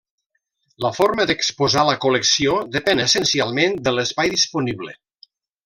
La forma d'exposar la col·lecció depèn essencialment de l'espai disponible.